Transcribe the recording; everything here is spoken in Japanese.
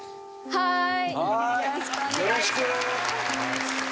はい。